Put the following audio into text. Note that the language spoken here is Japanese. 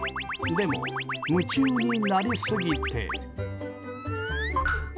でも、夢中になりすぎて。